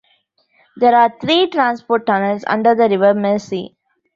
There are three transport tunnels under the River Mersey.